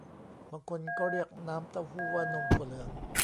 บางคนก็เรียกน้ำเต้าหู้ว่านมถั่วเหลือง